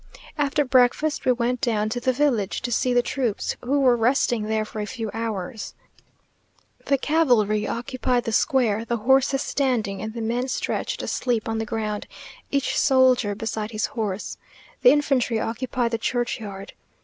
After breakfast we went down to the village to see the troops, who were resting there for a few hours. The cavalry occupied the square, the horses standing, and the men stretched asleep on the ground, each soldier beside his horse. The infantry occupied the churchyard.